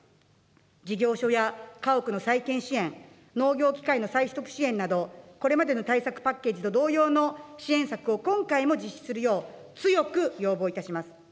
事業所や家屋の再建支援、農業機械の再取得支援など、これまでの対策パッケージと同様の支援策を今回も実施するよう、強く要望いたします。